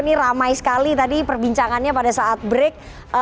ini ramai sekali tadi perbincangannya pada saat break